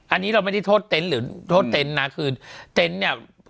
อันนี้เราไม่ได้โทษเต็นต์หรือโทษเต็นต์นะคือเต็นต์เนี่ย